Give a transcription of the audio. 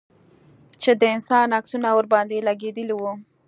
چې د انسان عکسونه ورباندې لگېدلي وو.